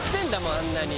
あんなに。